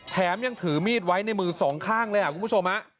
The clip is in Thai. แถมยังถือมีดไว้ในมือสองข้างเลยคุณผู้ชม